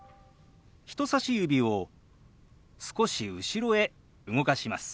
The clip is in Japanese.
人さし指を少し後ろへ動かします。